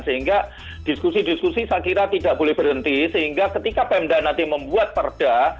sehingga diskusi diskusi saya kira tidak boleh berhenti sehingga ketika pemda nanti membuat perda